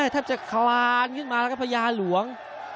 ถ้าจะคลานขึ้นมาคือพระยาหลวง